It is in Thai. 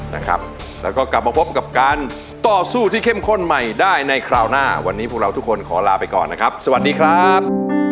นะครับแล้วก็กลับมาพบกับการต่อสู้ที่เข้มข้นใหม่ได้ในคราวหน้าวันนี้พวกเราทุกคนขอลาไปก่อนนะครับสวัสดีครับ